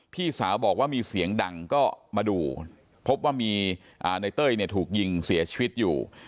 พี่สาวบอกว่ามีเสียงดังก็มาดูพบว่ามีนายเต้ยเนี่ยถูกยิงเสียชีวิตอยู่